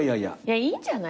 いいんじゃない？